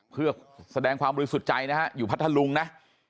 เพื่อแสดงความรู้สุดใจอยู่พัทธาลุงนะ